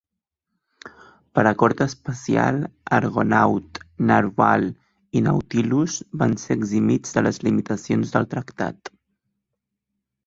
Per acord especial, "Argonaut", "Narwhal" i "Nautilus" van ser eximits de les limitacions del tractat.